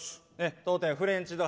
当店フレンチド